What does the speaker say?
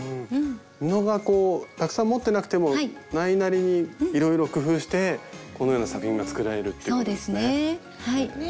布がたくさん持ってなくてもないなりにいろいろ工夫してこのような作品が作られるっていうことですね。